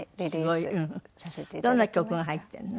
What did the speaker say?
どんな曲が入っているの？